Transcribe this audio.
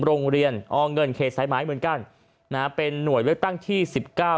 โรงเรียนอเงินเขตสายไม้เหมือนกันนะฮะเป็นหน่วยเลือกตั้งที่สิบเก้า